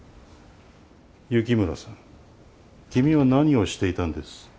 雪村さん君は何をしていたんです？